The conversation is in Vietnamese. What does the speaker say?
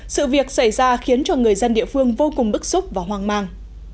sự việc xảy ra khiến cho người dân địa phương vô cùng bức xúc và hoang mang